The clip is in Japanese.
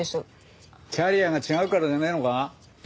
キャリアが違うからじゃねえのか？